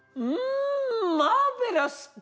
んマーベラス！